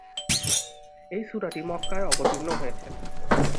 এই সূরাটি মক্কায় অবতীর্ণ হয়েছে।